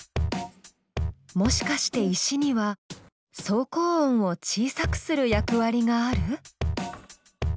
もしかして石には走行音を小さくする役割がある？